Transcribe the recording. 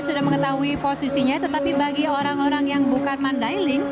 sudah mengetahui posisinya tetapi bagi orang orang yang bukan mandailing